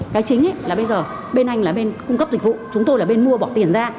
cái chính là bây giờ bên anh là bên cung cấp dịch vụ chúng tôi là bên mua bỏ tiền ra